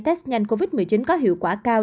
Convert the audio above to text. test nhanh covid một mươi chín có hiệu quả cao